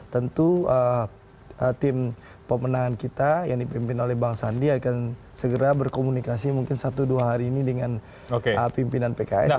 tentu tim pemenangan kita yang dipimpin oleh bang sandi akan segera berkomunikasi mungkin satu dua hari ini dengan pimpinan pks